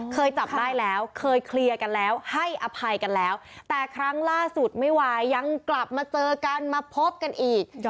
เคยจับได้แล้วเคยเคลียร์กันแล้วให้อภัยกันแล้วแต่ครั้งล่าสุดไม่ไหวยังกลับมาเจอกันมาพบกันอีก